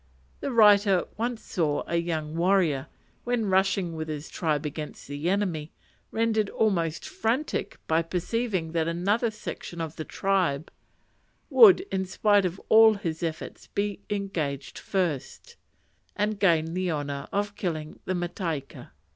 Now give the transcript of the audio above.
The writer once saw a young warrior, when rushing with his tribe against the enemy, rendered almost frantic by perceiving that another section of the tribe would, in spite of all his efforts, be engaged first, and gain the honour of killing the mataika.